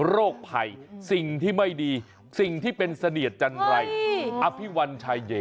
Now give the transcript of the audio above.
โรคภัยสิ่งที่ไม่ดีสิ่งที่เป็นเสนียดจันไรอภิวัลชายเย